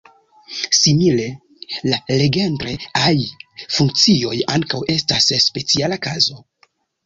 Simile, la Legendre-aj funkcioj ankaŭ estas speciala kazo.